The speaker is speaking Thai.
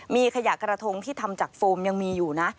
มีขยะกระทงที่ทำจากโฟมยังมีอยู่นะ